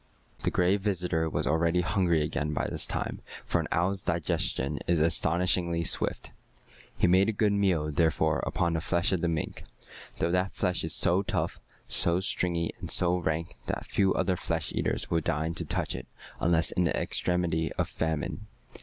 The Gray Visitor was already hungry again by this time, for an owl's digestion is astonishingly swift. He made a good meal, therefore, upon the flesh of the mink, though that flesh is so tough, so stringy, and so rank that few other flesh eaters will deign to touch it unless in the extremity of famine.